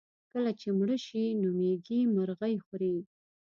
کله چې مړه شي نو مېږي مرغۍ خوري.